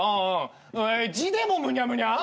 字でもむにゃむにゃ？